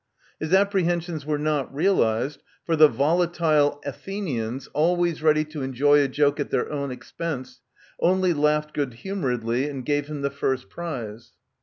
His apprehensions were not realized, for the volatile Athenians, always ready to enjoy a joke at their own expense, only laughed good humouredly, and gave him the first prize.